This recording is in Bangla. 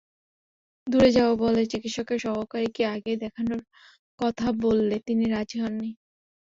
দূরে যাব বলে চিকিৎসকের সহকারীকে আগে দেখানোর কথা বললে তিনি রাজি হননি।